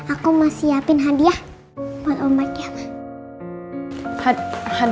aku mau siapin hadiah